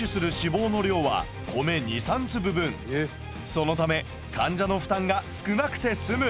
そのため患者の負担が少なくて済む。